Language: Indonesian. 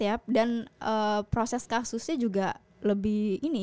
ya lebih cepat ya dan proses kasusnya juga lebih memakan waktunya lebih cepat gitu jadinya